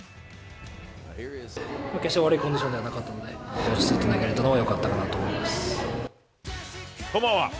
決して悪いコンディションではなかったので、落ち着いて投げられたのはよかったかなと思いまこんばんは。